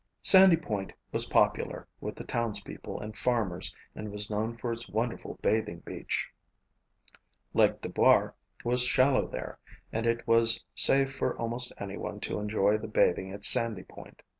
Sandy Point was popular with the townspeople and farmers and was known for its wonderful bathing beach. Lake Dubar was shallow there and it was safe for almost anyone to enjoy the bathing at Sandy Point.